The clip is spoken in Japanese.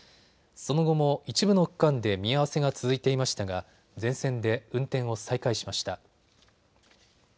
その後も一部の区間で見合わせが続いていましたが全線で運転を再開しました。